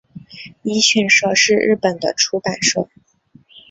一迅社是日本的出版社。